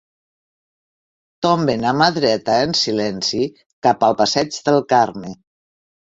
Tomben a mà dreta en silenci, cap al passeig del Carme.